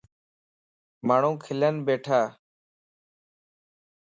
ماڻهون کلن ٻيٺا.